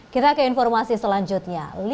kita ke informasi selanjutnya